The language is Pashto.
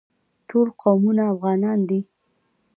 ټول قومونه افغانان دي